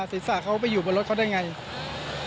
ศีรษะเขาไปอยู่บนรถเขาได้ไง